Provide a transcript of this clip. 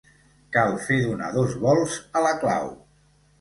Cal fer donar dos volts a la clau.